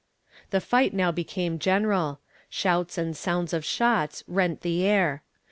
The fight now became general. Shouts and sounds of shots rent the air.